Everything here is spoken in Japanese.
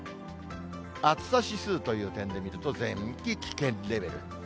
暑さ指数という点で見ると、全域危険レベル。